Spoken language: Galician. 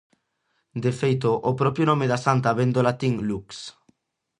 De feito o propio nome da santa vén do latín lux.